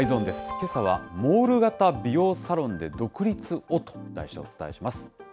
けさはモール型美容サロンで独立をと題してお伝えします。